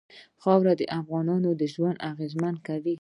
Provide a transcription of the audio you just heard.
خاوره د افغانانو ژوند اغېزمن کوي.